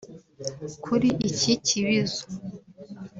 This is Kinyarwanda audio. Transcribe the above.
Kuri iki kibizo